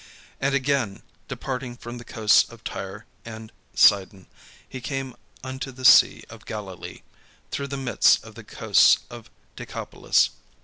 And again, departing from the coasts of Tyre and Sidon, he came unto the sea of Galilee, through the midst of the coasts of Decapolis.